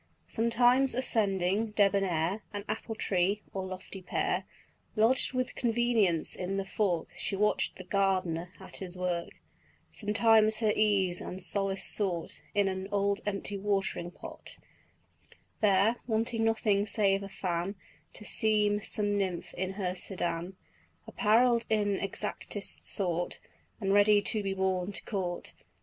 Sometimes ascending, debonnair, An apple tree, or lofty pear, Lodged with convenience in the fork, She watch'd the gardener at his work; Sometimes her ease and solace sought In an old empty watering pot: There, wanting nothing save a fan, To seem some nymph in her sedan Apparell'd in exactest sort, And ready to be borne to court.